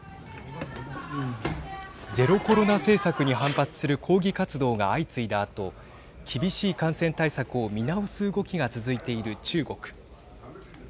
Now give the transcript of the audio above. ゼロコロナ政策に反発する抗議活動が相次いだあと厳しい感染対策を見直す動きが続いている中国。